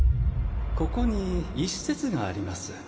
ここに一節があります。